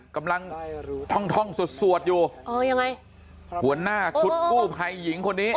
กำลังท่องท่องสวดสวดอยู่อ๋อยังไงหัวหน้าชุดกู้ภัยหญิงคนนี้